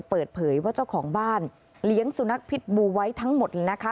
เปิดเผยว่าเจ้าของบ้านเลี้ยงสุนัขพิษบูไว้ทั้งหมดนะคะ